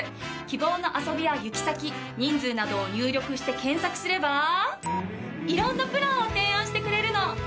希望の遊びや行き先人数などを入力して検索すれば色んなプランを提案してくれるの。